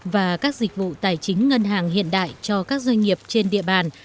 và các dịch vụ tài chính ngân hàng hiện đại cho các doanh nghiệp trên địa bàn